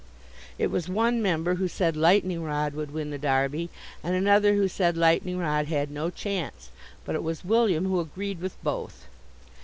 It was one member who said Lightning Rod would win the Derby[240 1] and another who said Lightning Rod had no chance, but it was William who agreed with both.